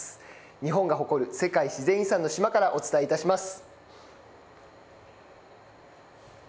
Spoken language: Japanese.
日本が誇る世界自然遺産の島からお伝えします。